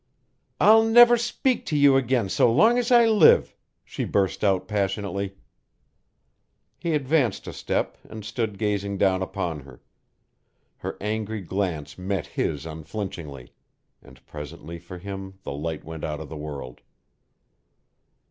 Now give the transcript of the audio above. "I'll never speak to you again so long as I live," she burst out passionately. He advanced a step and stood gazing down upon her. Her angry glance met his unflinchingly; and presently for him the light went out of the world.